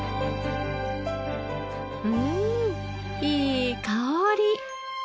うんいい香り！